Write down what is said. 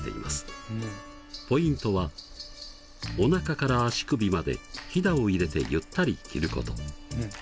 ポイントはおなかから足首までひだを入れてゆったり着ること。